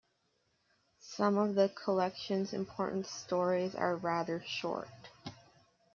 Some of the collection's important stories are rather short.